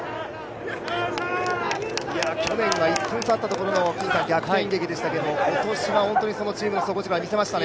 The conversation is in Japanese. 去年が１分差あったところの逆転劇でしたけど、今年はチームの底力を見せましたね。